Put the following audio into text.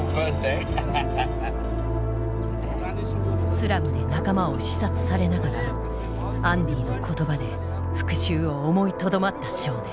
スラムで仲間を刺殺されながらアンディの言葉で復讐を思いとどまった少年。